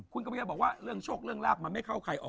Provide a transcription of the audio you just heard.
คุณกำลังจะบอกว่าเรื่องโชคเรื่องลาบมันไม่เข้าใครออก